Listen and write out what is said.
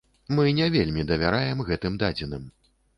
Мы не вельмі давяраем гэтым дадзеным.